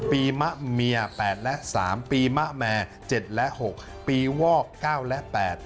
ปีมะเมีย๘และ๓ปีมะแมร์๗และ๖ปีวอก๙และ๘